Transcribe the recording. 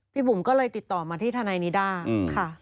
บุ๋มก็เลยติดต่อมาที่ทนายนิด้าค่ะ